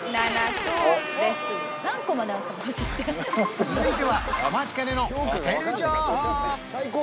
続いてはお待ちかねのホテル情報！